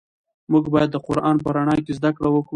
موږ باید د قرآن په رڼا کې زده کړې وکړو.